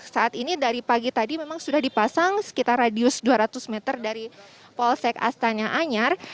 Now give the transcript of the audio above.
saat ini dari pagi tadi memang sudah dipasang sekitar radius dua ratus meter dari polsek astana anyar